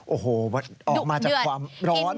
โอ้โหออกมาจากความร้อน